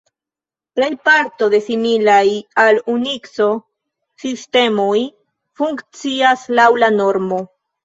Plejparto de similaj al Unikso sistemoj funkcias laŭ la normo.